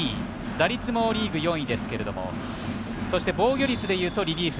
打率もリーグ４位ですけれどもそして、防御率でいうとリリーフ